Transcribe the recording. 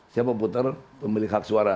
siapa putar pemilik hak suara